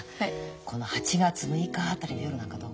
この８月６日辺りの夜なんかどう？